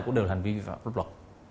cũng đều là hành vi pháp luật luật